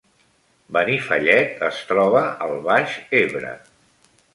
Benifallet es troba al Baix Ebre